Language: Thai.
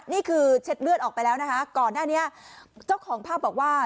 เช็ดเลือดออกไปแล้วนะคะก่อนหน้านี้เจ้าของภาพบอกว่า